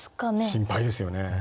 心配ですよね。